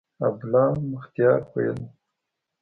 عبدالله مختیار ویلي